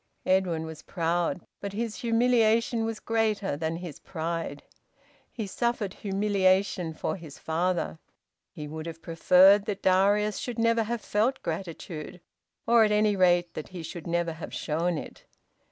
Edwin was proud, but his humiliation was greater than his pride. He suffered humiliation for his father. He would have preferred that Darius should never have felt gratitude, or, at any rate, that he should never have shown it.